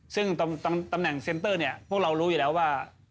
ซึ่งตำแหน่งเซ็นเตอร์เนี่ยพวกเรารู้อยู่แล้วว่า